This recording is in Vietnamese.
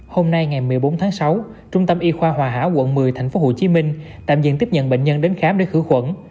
hôm nay ngày một mươi bốn tháng sáu trung tâm y khoa hòa hảo quận một mươi tp hcm tạm diện tiếp nhận bệnh nhân đến khám để khử khuẩn